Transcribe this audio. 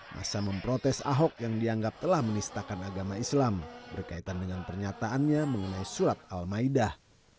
masa memprotes ahok yang dianggap telah menistakan agama islam berkaitan dengan pernyataannya mengenai surat al maidah